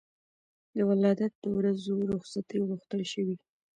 د ولادت د ورځو رخصتي غوښتل شوې.